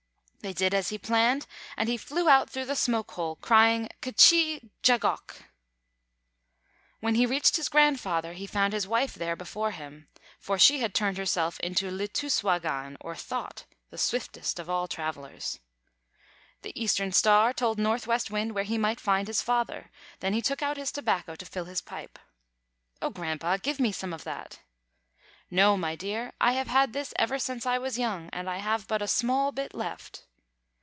They did as he planned, and he flew out through the smoke hole, crying: " K'chī Jagawk." When he reached his grandfather, he found his wife there before him; for she had turned herself to Litŭswāgan, or Thought, the swiftest of all travellers. The Eastern Star told Northwest Wind where he might find his father; then he took out his tobacco to fill his pipe. "Oh, Grandpa, give me some of that." "No, my dear, I have had this ever since I was young, and I have but a small bit left."